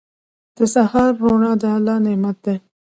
• د سهار روڼا د الله نعمت دی.